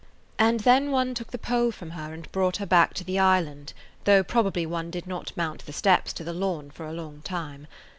And then one took the pole from her and brought her back to the island, though probably one did not mount the steps to the lawn for a long time.